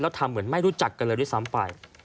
ทำเหมือนไม่รู้จักกันเลยด้วยซ้ำไป